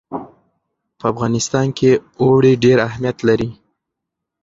په افغانستان کې اوړي ډېر اهمیت لري.